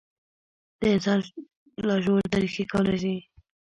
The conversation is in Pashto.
د انسان لاشعور ته رېښې کولای شي.